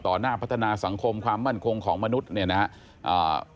หน้าพัฒนาสังคมความมั่นคงของมนุษย์เนี่ยนะครับ